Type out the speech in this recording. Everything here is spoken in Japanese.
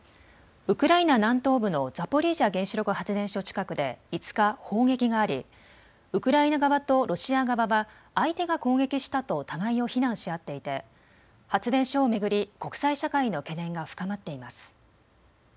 ウクライナ南東部のザポリージャ原子力発電所近くで５日、砲撃がありウクライナ側とロシア側は相手が攻撃したと互いを非難し合っていて発電所を巡り国際社会の懸念が深まっています。